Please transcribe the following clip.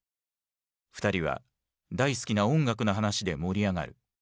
２人は大好きな音楽の話で盛り上がる。